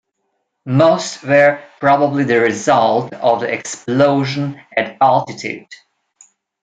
Most were probably the result of the explosion at altitude.